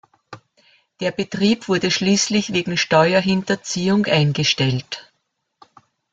Der Betrieb wurde schließlich wegen Steuerhinterziehung eingestellt.